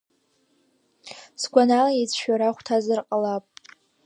Сгәанала ицәшәара ахәҭазар ҟалап!